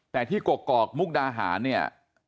แต่ที่กกอกมุกดาหารเนี่ย